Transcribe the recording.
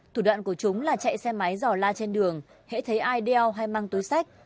thủ đoạn của chúng là chạy xe máy dò la trên đường hãy thấy i đeo hay mang túi sách